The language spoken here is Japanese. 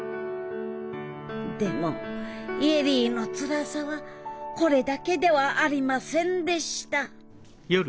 でも恵里のつらさはこれだけではありませんでした何？